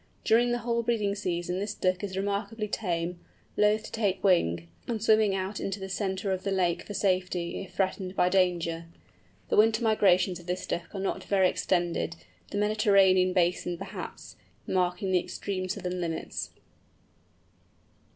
During the whole breeding season this Duck is remarkably tame, loth to take wing, and swimming out into the centre of the lake for safety, if threatened by danger. The winter migrations of this Duck are not very extended, the Mediterranean Basin, perhaps, marking the extreme southern limits.